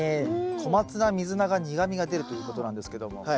コマツナミズナが苦みが出るということなんですけども。